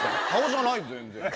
顔じゃない全然。